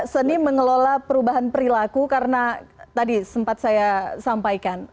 seni mengelola perubahan perilaku karena tadi sempat saya sampaikan